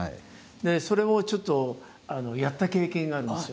それをちょっとやった経験があるんですよ。